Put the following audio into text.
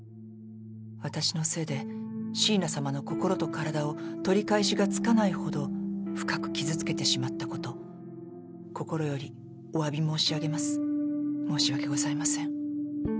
私のせいで椎名様の心と体を取り返しがつかないほど深く傷つけてしまったこと心よりおわび申し上げます申し訳ございません。